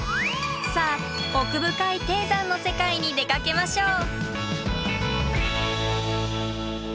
さあ奥深い低山の世界に出かけましょう！